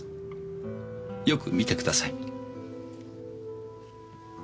よく見てください。